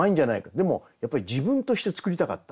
でもやっぱり自分として作りたかった。